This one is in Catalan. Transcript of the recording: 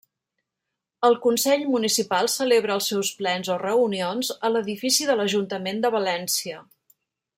El consell municipal celebra els seus plens o reunions a l'edifici de l'ajuntament de València.